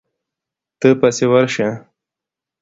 ته پسې ورشه.